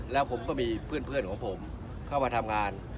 แล้วผมก็มีเพื่อนของผมเข้ามาทำงาน